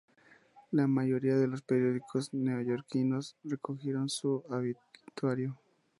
La mayoría de los periódicos neoyorquinos recogieron su obituario.